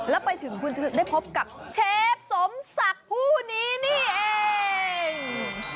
แล้วไปถึงคุณจะได้พบกับเชฟสมศักดิ์ผู้นี้นี่เอง